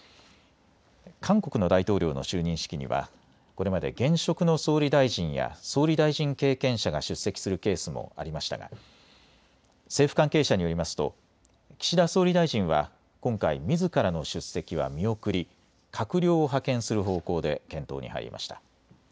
韓国の大統領の就任式にはこれまで現職の総理大臣や総理大臣経験者が出席するケースもありましたが政府関係者によりますと岸田総理大臣は今回、みずからの出席は見送り、閣僚を派遣する方向で検討に入りました。